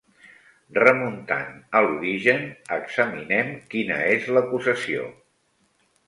Remuntant a l'origen, examinem quina és l'acusació.